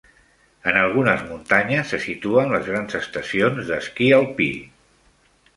En algunes muntanyes se situen les grans estacions d'esquí alpí.